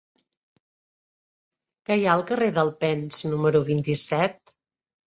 Què hi ha al carrer d'Alpens número vint-i-set?